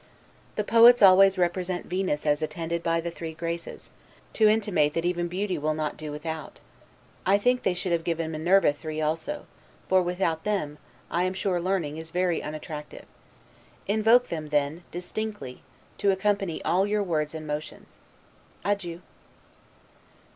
The poets always represent Venus as attended by the three Graces, to intimate that even beauty will not do without: I think they should have given Minerva three also; for without them, I am sure learning is very unattractive. Invoke them, then, DISTINCTLY, to accompany all your words and motions. Adieu.